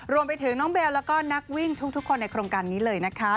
รวมไปถึงน้องเบลแล้วก็นักวิ่งทุกคนในโครงการนี้เลยนะคะ